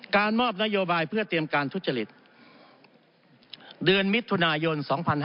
มอบนโยบายเพื่อเตรียมการทุจริตเดือนมิถุนายน๒๕๕๙